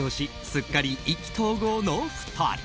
すっかり意気投合の２人。